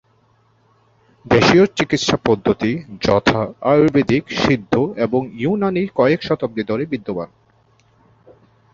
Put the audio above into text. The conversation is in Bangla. দেশীয় চিকিৎসা পদ্ধতি, যথা, আয়ুর্বেদিক, সিদ্ধ এবং ইউনানী কয়েক শতাব্দী ধরে বিদ্যমান।